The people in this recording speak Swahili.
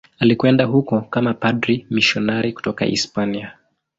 Alikwenda huko kama padri mmisionari kutoka Hispania.